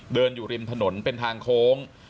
อยู่ริมถนนเป็นทางโค้ง